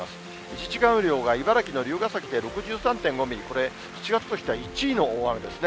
１時間雨量が茨城の龍ケ崎で６３．５ミリ、これ、７月としては１位の大雨ですね。